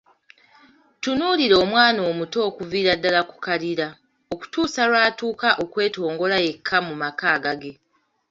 Tunuulira omwana omuto, okuviira ddala ku kalira, okutuusa lw'atuuka okwetongola yekka mu maka agage.